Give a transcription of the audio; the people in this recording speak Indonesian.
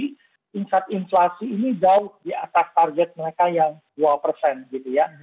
jadi tingkat inflasi ini jauh di atas target mereka yang dua gitu ya